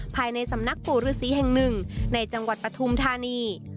ภายในสำนักปู่ฤษีแห่งหนึ่งในจังหวัดปฐุมธานี